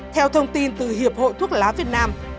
theo thông tin từ hiệp hội thuốc lá việt nam